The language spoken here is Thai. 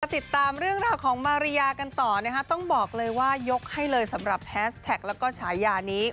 ติดตามเรื่องราวของมาริยากันต่อนะคะต้องบอกเลยว่ายกให้เลยสำหรับแฮสแท็กแล้วก็ฉายานี้